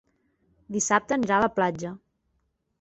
Dissabte anirà a la platja.